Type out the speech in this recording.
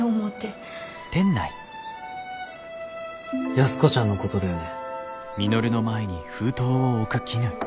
安子ちゃんのことだよね？